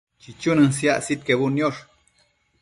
chichunën siac sidquebudniosh